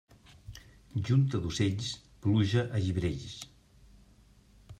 Junta d'ocells, pluja a gibrells.